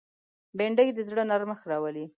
بېنډۍ د زړه نرمښت راولي